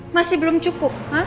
masih belum cukup